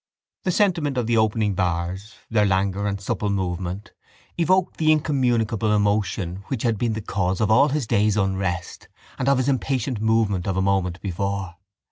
The sentiment of the opening bars, their languor and supple movement, evoked the incommunicable emotion which had been the cause of all his day's unrest and of his impatient movement of a moment before.